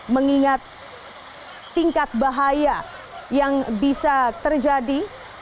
mengingat tingkat bahaya yang bisa terjadi